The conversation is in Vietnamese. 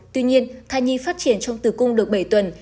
tuy nhiên thai nhi phát triển trong tử cung được bảy tuần